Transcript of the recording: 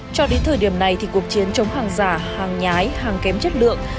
cho đến thời điểm này thì cuộc chiến chống hàng giả hàng nhái hàng kém chất lượng